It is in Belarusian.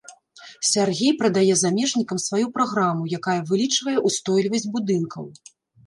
Сяргей прадае замежнікам сваю праграму, якая вылічвае ўстойлівасць будынкаў.